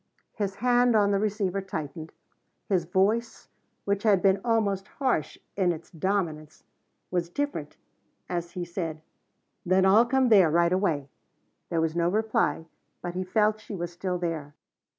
His hand on the receiver tightened. His voice, which had been almost harsh in its dominance, was different as he said: "Then I'll come there right away." There was no reply, but he felt she was still there.